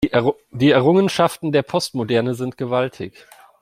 Die Errungenschaften der Postmoderne sind gewaltig.